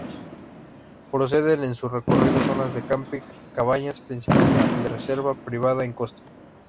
Ofrecen en su recorrido zonas de camping, cabañas principalmente de reserva privada con costo.